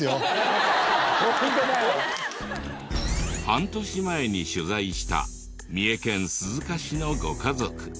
半年前に取材した三重県鈴鹿市のご家族。